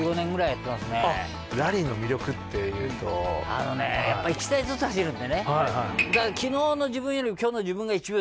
あのねやっぱ１台ずつ走るんでね。